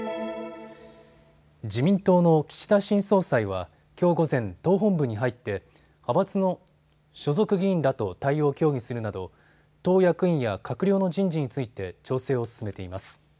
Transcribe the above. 自民党の岸田新総裁は、きょう午前、党本部に入って派閥の所属議員らと対応を協議するなど党役員や閣僚の人事について調整を進めています。